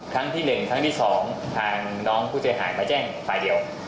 ทั้งที่๑ทั้งที่๒ทางน้องกุฏยหายไปแจ้ง๑ฝ่ายเดียว